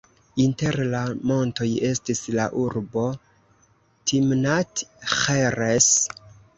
Inter la montoj estis la urbo Timnat-Ĥeres.